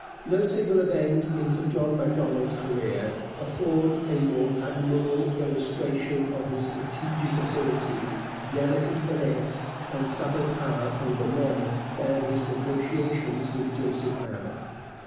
No single event in Sir John Macdonald's career affords a more admirable illustration of his strategic ability, delicate finesse, and subtle power over men than his negotiations with Joseph Howe.